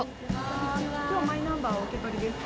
今日マイナンバーお受け取りですか？